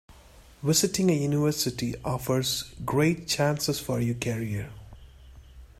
Visiting a university offers great chances for your career.